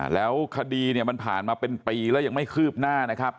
แล้วคดีเนี่ยมันผ่านมาเป็นปีแล้วยังไม่คืบหน้านะครับ